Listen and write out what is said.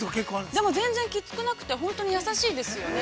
◆でも全然きつくなくて、本当に優しいですよね。